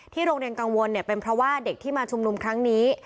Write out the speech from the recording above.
โรงเรียนกังวลเป็นเพราะว่าเด็กที่มาชุมนุมครั้งนี้